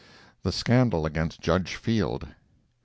The Scandal Against Judge Field.